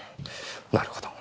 なるほど。